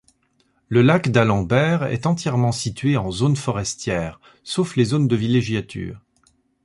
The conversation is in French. Le lac D’Alembert est entièrement situé en zones forestières, sauf les zones de villégiature.